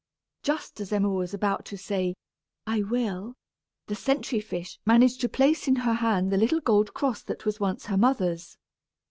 Just as Emma was about to say "I will," the sentry fish managed to place in her hand the little gold cross that was once her mother's.